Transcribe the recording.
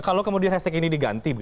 kalau kemudian hashtag ini diganti